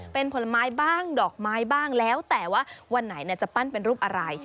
เป็นผลไม้บ้างดอกไม้บ้างแล้วแต่ว่าวันไหนจะปั้นเป็นรูปอะไร